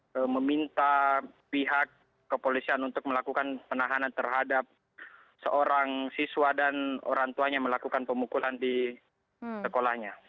saya meminta pihak kepolisian untuk melakukan penahanan terhadap seorang siswa dan orang tuanya melakukan pemukulan di sekolahnya